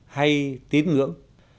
hay tiếng ngưỡng